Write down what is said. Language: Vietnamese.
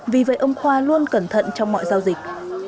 vì ông hoa luôn cẩn thận trong mọi giao dịch